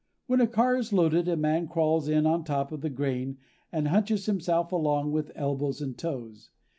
When a car is loaded, a man crawls in on top of the grain and hunches himself along with elbows and toes.